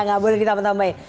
ya gak boleh ditambah tambah ya